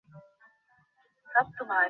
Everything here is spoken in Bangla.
ওকে, ওকে, ওকে।